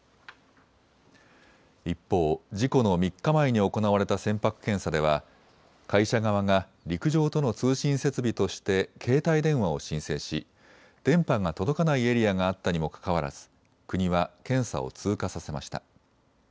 一方、事故の３日前に行われた船舶検査では会社側が陸上との通信設備として携帯電話を申請し電波が届かないエリアがあったにもかかわらず国は検査を通過させました。